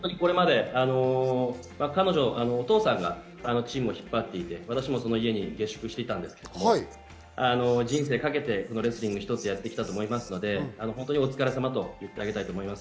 彼女のお父さんがチームを引っ張っていて、私もその家に下宿していたんですけど、人生かけてレスリング一つでやってきたと思いますので、お疲れさまと言ってあげたいと思います。